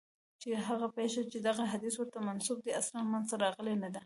چي هغه پېښه چي دغه حدیث ورته منسوب دی اصلاً منځته راغلې نه ده.